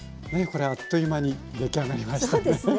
これはあっという間に出来上がりましたね。